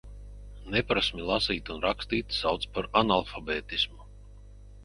Neprasmi lasīt un rakstīt sauc par analfabētismu.